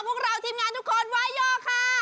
พวกเราทีมงานทุกคนไว้โยค่ะ